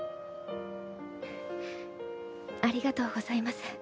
ありがとうございます。